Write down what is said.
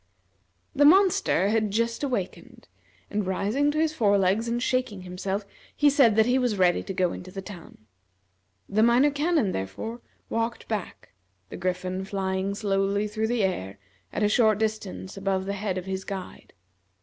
The monster had just awakened, and rising to his fore legs and shaking himself, he said that he was ready to go into the town. The Minor Canon, therefore, walked back, the Griffin flying slowly through the air, at a short distance above the head of his guide.